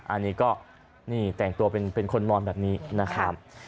อันนี้ก็นี่แต่งตัวเป็นคนมอนแบบนี้นะครับ